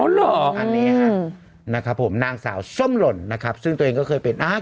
อันนี้ครับนะครับผมนางสาวส้มหล่นนะครับซึ่งตัวเองก็เคยเป็นอาร์ต